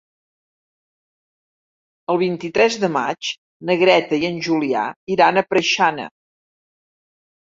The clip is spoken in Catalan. El vint-i-tres de maig na Greta i en Julià iran a Preixana.